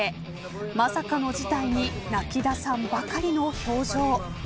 まさかの事態に泣きださんばかりの表情。